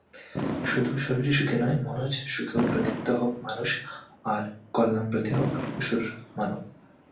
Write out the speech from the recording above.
শুধু শরীরী সুখে নয়, মনজ সুখেওপ্রদীপ্ত হোক মানুষআর কল্যাণ ব্রতী হোক অসুর মানব।